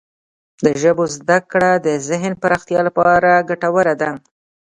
د ژبو زده کړه د ذهن پراختیا لپاره ګټوره ده.